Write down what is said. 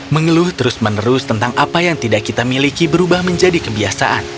mengeluh terus menerus tentang apa yang tidak kita miliki berubah menjadi kebiasaan